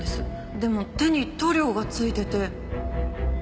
でも手に塗料が付いてて。